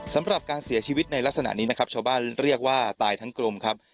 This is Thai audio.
สำหรับการเสียชีวิตในลักษณะนี้นะครับชาวบ้านเรียกว่าตายทั้งกลมครับ